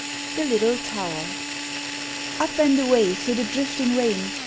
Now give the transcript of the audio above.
THE LITTLE TOWER Up and away through the drifting rain!